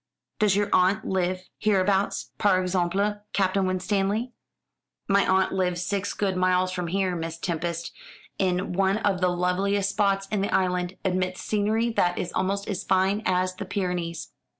"Does your aunt live hereabouts, par exemple, Captain Winstanley?" "My aunt lives six good miles from here, Miss Tempest, in one of the loveliest spots in the island, amidst scenery that is almost as fine as the Pyrenees."